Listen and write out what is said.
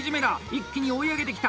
一気に追い上げてきた！